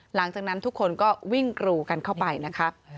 หลังจากนั้นทุกคนก็วิ่งกรูกันเข้าไปนะครับ